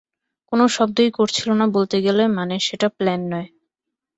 কোনো শব্দই করছিল না বলতে গেলে, মানে সেটা প্লেন নয়।